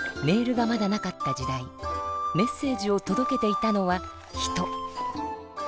メールがまだなかった時代メッセージをとどけていたのは人。